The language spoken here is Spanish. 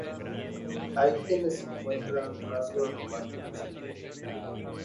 Hay quienes encuentran rasgos románticos aquí.